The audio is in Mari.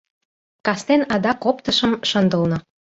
Кастен адак оптышым шындылна.